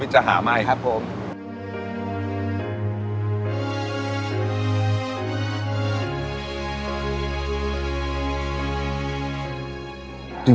ตลอดจนกว่าชีวิตจะหาใหม่